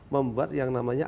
membuat yang namanya